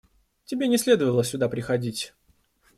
Тебе не следовало сюда приходить.